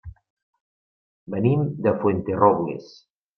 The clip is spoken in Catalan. Venim de Fuenterrobles.